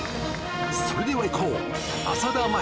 それではいこう浅田舞